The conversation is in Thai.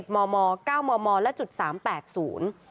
๑๑มม๙มมและจุด๓๘ศูนย์